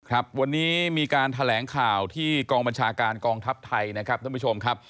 ครับวันนี้มีการแถลงข่าวที่กองบัญชาการกองทัพไทยนะครับท่านผู้ชมครับ